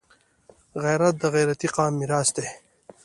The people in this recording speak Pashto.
غیرت د غیرتي قام میراث دی